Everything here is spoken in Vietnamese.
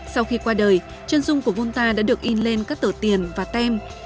sau khi qua đời chân dung của volta đã được in lên các tờ tiền và tem